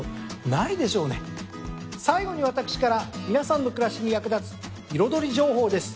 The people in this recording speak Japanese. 最後に私から皆さんの暮らしに役立つ彩り情報です。